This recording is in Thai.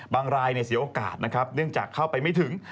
รายเสียโอกาสนะครับเนื่องจากเข้าไปไม่ถึง